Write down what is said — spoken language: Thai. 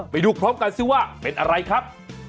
ไปดูพร้อมกันซิว่าเป็นอะไรครับ